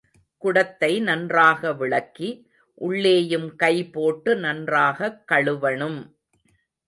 குடத்தை நன்றாக விளக்கி, உள்ளேயும் கை போட்டு நன்றாகக் கழுவணும்.